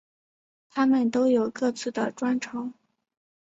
他们都有各自的专长。